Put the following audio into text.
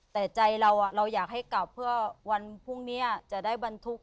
แต่ใจเราเราอยากให้กลับเพื่อวันพรุ่งนี้จะได้บรรทุก